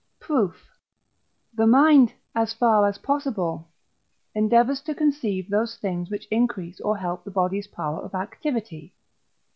Proof. The mind, as far as possible, endeavours to conceive those things which increase or help the body's power of activity (III.